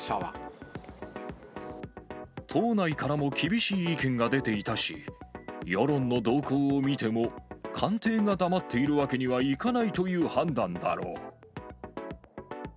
党内からも厳しい意見が出ていたし、世論の動向を見ても、官邸が黙っているわけにはいかないという判断だろう。